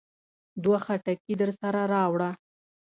دوه خټکي درسره راوړه.